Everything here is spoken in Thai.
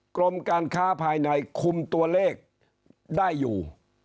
กรมการค้าภายในคุมตัวเลขได้อยู่